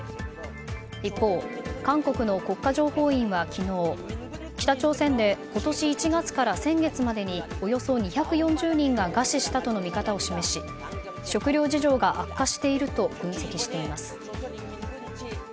一方、韓国の国家情報院は昨日北朝鮮で今年１月から先月までにおよそ２４０人が餓死したとの見方を示し食糧事情が悪化していると分析しています。